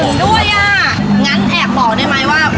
หัยยยยยยยยยถึงด้วยอ่ะงั้นแปลกบอกได้มั้ยว่า